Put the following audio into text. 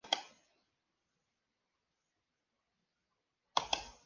La figura de los Torozos no es demasiado irregular.